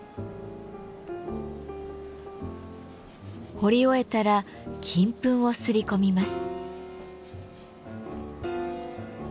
彫り終えたら金粉をすり込みます。